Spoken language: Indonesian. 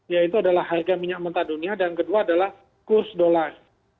yaitu adalah harga minyak mentah dunia dan kedua adalah kurs dollar